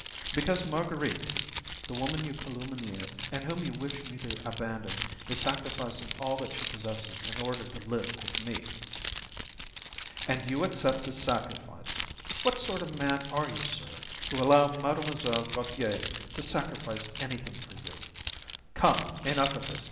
"Because Marguerite, the woman you calumniate, and whom you wish me to abandon, is sacrificing all that she possesses in order to live with me." "And you accept this sacrifice? What sort of a man are you, sir, to allow Mlle. Gautier to sacrifice anything for you? Come, enough of this.